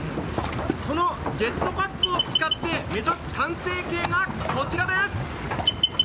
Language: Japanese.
このジェットパックを使って目指す完成形がこちらです。